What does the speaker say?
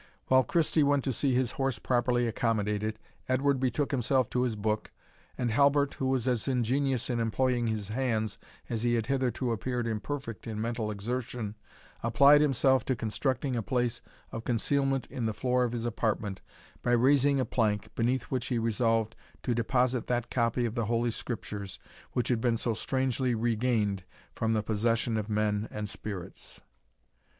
While Christie went to see his horse properly accommodated, Edward betook himself to his book, and Halbert, who was as ingenious in employing his hands as he had hitherto appeared imperfect in mental exertion, applied himself to constructing a place of concealment in the floor of his apartment by raising a plank, beneath which he resolved to deposit that copy of the Holy Scriptures which had been so strangely regained from the possession of men and spirits.